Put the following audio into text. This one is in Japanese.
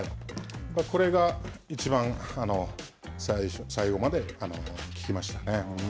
これがいちばん最後まで効きましたね。